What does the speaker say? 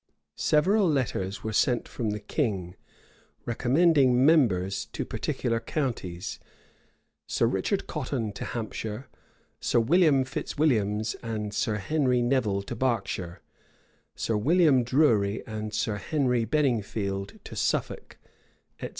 [*] Several letters were sent from the king, recommending members to particular counties; Sir Richard Cotton to Hampshire; Sir William Fitzwilliams and Sir Henry Nevil to Berkshire; Sir William Drury and Sir Henry Benningfield to Suffolk, etc.